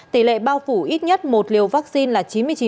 tỷ lệ bao phủ ít nhất một liều vaccine là chín mươi chín